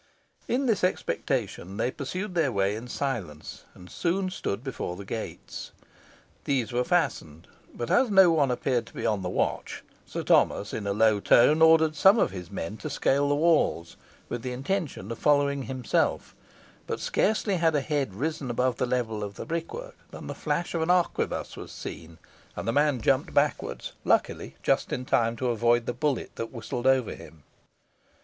In this expectation they pursued their way in silence, and soon stood before the gates. These were fastened, but as no one appeared to be on the watch, Sir Thomas, in a low tone, ordered some of his men to scale the walls, with the intention of following himself; but scarcely had a head risen above the level of the brickwork than the flash of an arquebuss was seen, and the man jumped backwards, luckily just in time to avoid the bullet that whistled over him.